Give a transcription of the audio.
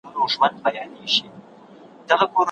بانکی سيستم د سرمايې د ډېرېدو لپاره لارې چارې برابروي.